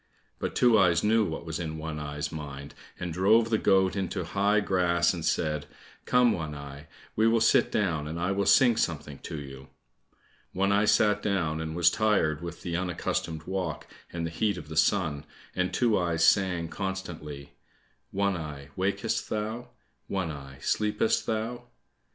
But Two eyes knew what was in One eye's mind, and drove the goat into high grass and said, "Come, One eye, we will sit down, and I will sing something to you." One eye sat down and was tired with the unaccustomed walk and the heat of the sun, and Two eyes sang constantly, "One eye, wakest thou? One eye, sleepest thou?"